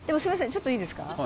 ちょっといいですか？